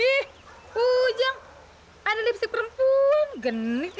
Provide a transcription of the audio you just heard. ih ujang ada lipstick perempuan genit ih